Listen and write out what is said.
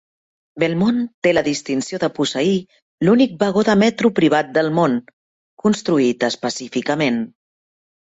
Belmont té la distinció de posseir l'únic vagó de metro privat al món, construït específicament.